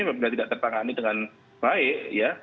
apabila tidak tertangani dengan baik ya